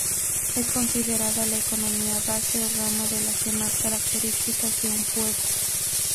Es considerada la economía base o rama de las demás características de un pueblo.